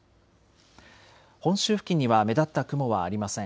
本州付近には目立った雲はありません。